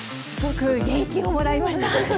すごく元気をもらいました。